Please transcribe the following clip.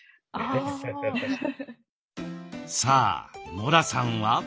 さあノラさんは？